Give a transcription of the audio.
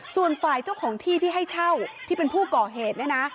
ส่วนฝ่ายเจ้าของที่ที่ให้เช่าที่เป็นผู้ก่อเหตุเนี่ยนะ